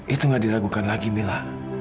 itu gak diragukan lagi mila